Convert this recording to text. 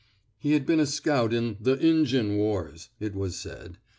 He had been a scout in th* Injun wars," it was said.